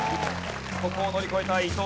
ここを乗り越えたい。